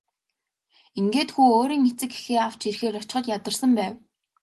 Ингээд хүү өөрийн эцэг эхээ авч ирэхээр очиход ядарсан байв.